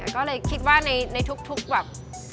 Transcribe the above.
ก็เลยคิดว่าในทุกแบบ